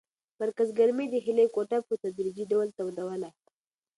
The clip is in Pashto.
مرکز ګرمۍ د هیلې کوټه په تدریجي ډول تودوله.